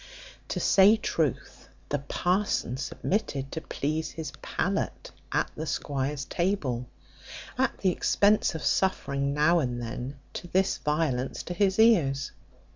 To say truth, the parson submitted to please his palate at the squire's table, at the expense of suffering now and then this violence to his ears.